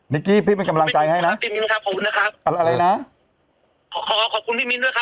กี้พี่เป็นกำลังใจให้นะพี่มิ้นครับขอบคุณนะครับอะไรนะขอขอขอบคุณพี่มิ้นด้วยครับ